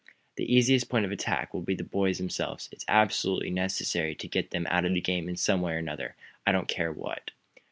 The easiest point of attack will be the boys themselves. It is absolutely necessary to get them out of the game some way or other I don't care what!